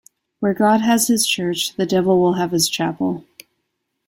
Where God has his church, the devil will have his chapel.